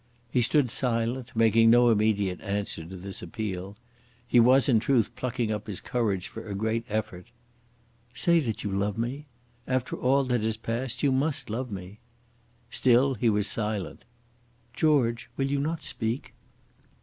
He stood silent, making no immediate answer to this appeal. He was in truth plucking up his courage for a great effort. "Say that you love me. After all that is passed you must love me." Still he was silent. "George, will you not speak?"